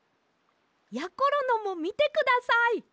やころのもみてください！